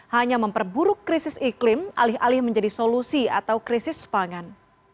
hanya memperburuk krisis iklim alih alih menjadi solusi atau krisis pangan